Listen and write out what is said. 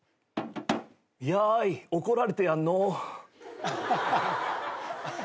やい怒られてやんの。